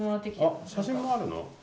あっ写真もあるの？